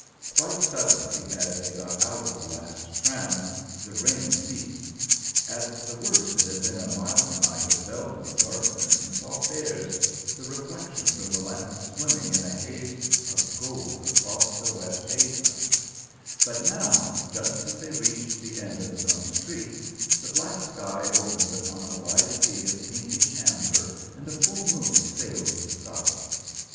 Quite suddenly, as they got out of the last tram, the rain ceased. At the worst it had been a mild night of velvety darkness and soft airs, the reflection from the lamps swimming in a haze of gold across the wet pavement; but now, just as they reached the end of his own street, the black sky opened upon a wide sea of pinkish amber and a full moon sailed into sight.